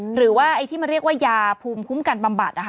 หรือว่าไอ้ที่มันเรียกว่ายาภูมิคุ้มกันบำบัดนะคะ